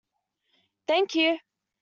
Thank you'.